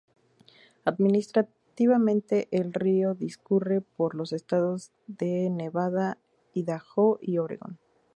Administrativamente, el río discurre por los estados de Nevada, Idaho y Oregon.